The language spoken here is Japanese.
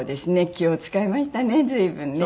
気を使いましたね随分ね。